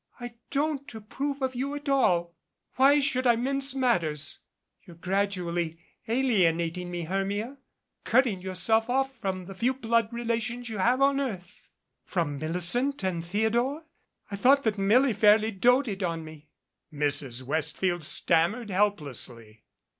"I don't approve of you at ill. Why should I mince matters? You're gradually alienating me, Hermia cutting yourself off from the few blood relations yu have on earth." "From Millicent and Theodore? I thought that Milly fairly doted on me " Mrs. Westfield stammered helplessly.